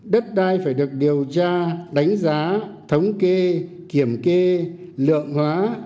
đất đai phải được điều tra đánh giá thống kê kiểm kê lượng hóa